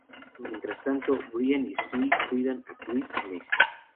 Mientras tanto, Brian y Stewie cuidan a Chris y Meg.